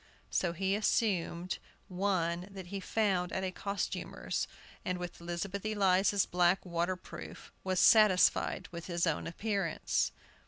So he assumed one that he found at a costumer's, and with Elizabeth Eliza's black waterproof was satisfied with his own appearance.